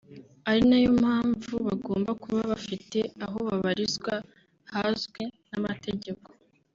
ari nayo mpamvu bagomba kuba bafite aho babarizwa hazwi n’amategeko